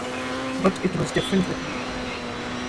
But it was different with me.